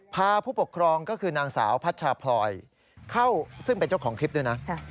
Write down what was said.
พาผู้ปกครองก็คือนางสาวพัชชาพลอยเข้าซึ่งเป็นเจ้าของคลิปด้วยนะ